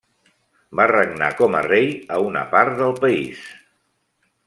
Va regnar com a rei a una part del país.